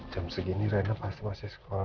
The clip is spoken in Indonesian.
jam segini rena pasti masih sekolah